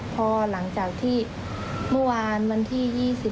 พอหลังจากที่เมื่อวานวันที่๒๔